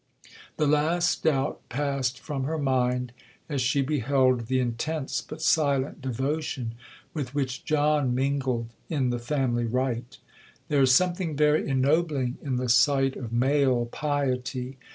The last doubt passed from her mind, as she beheld the intense but silent devotion with which John mingled in the family rite. There is something very ennobling in the sight of male piety.